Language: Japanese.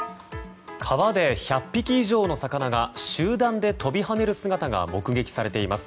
川で１００匹以上の魚が集団で飛び跳ねる姿が目撃されています。